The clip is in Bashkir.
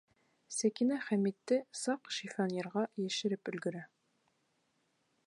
Сәкинә Хәмитте саҡ шифоньерға йәшереп өлгөрә.